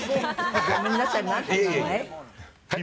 ごめんなさい。